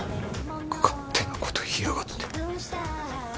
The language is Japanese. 勝手なこと言いやがって。